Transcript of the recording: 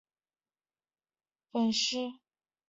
瓢箪藤棒粉虱为粉虱科棒粉虱属下的一个种。